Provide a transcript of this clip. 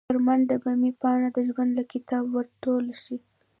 په منډه به مې پاڼه د ژوند له کتابه ور ټوله شي